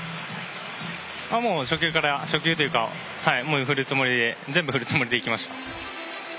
初球というか振るつもりで全部振るつもりでいきました。